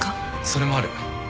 それもある。